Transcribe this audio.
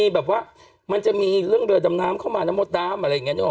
เรื่องซื้อเรือนดำน้ำเนี่ย